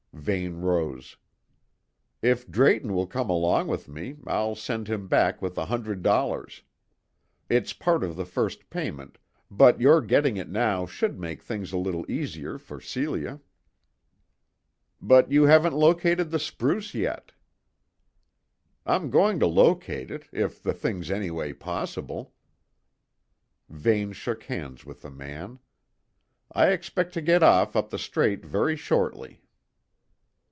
Vane rose. "If Drayton will come along with me, I'll send him back with a hundred dollars. It's part of the first payment but your getting it now should make things a little easier for Celia." "But you haven't located the spruce yet." "I'm going to locate it, if the thing's anyway possible." Vane shook hands with the man. "I expect to get off up the Strait very shortly."